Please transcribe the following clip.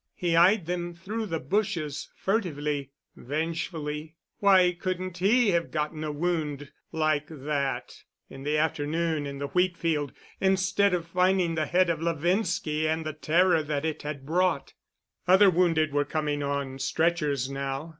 He eyed them through the bushes furtively—vengefully. Why couldn't he have gotten a wound like that—in the afternoon in the wheat field—instead of finding the head of Levinski and the terror that it had brought? Other wounded were coming on stretchers now.